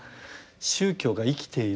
宗教が生きているって。